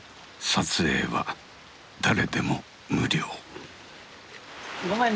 撮影は誰でも無料。